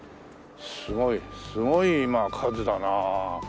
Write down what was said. すごいすごい数だなあ。